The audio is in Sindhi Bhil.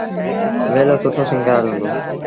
ميلو سُٺو سيٚݩگآرل هُݩدو۔